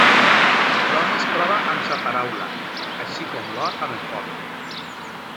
L'home es prova amb sa paraula, així com l'or amb el foc.